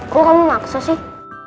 kok kamu maksa sih